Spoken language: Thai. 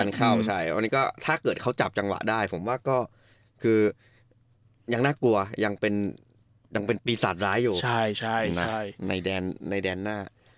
ยันเข้าใช่ถ้าเกิดเขาจับจังหวะได้ผมว่าก็ยังน่ากลัวยังเป็นปีศาจร้ายอยู่ในแดนหน้า